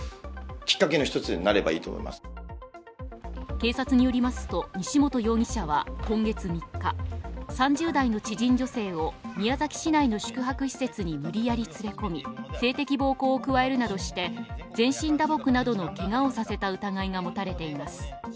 警察によりますと、西本容疑者は今月３日、３０代の知人女性を宮崎市内の宿泊施設に無理やり連れ込み性的暴行を加えるなどして、全身打撲などのけがをさせた疑いが持たれています。